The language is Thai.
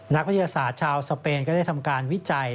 นักวิทยาศาสตร์ชาวสเปนก็ได้ทำการวิจัย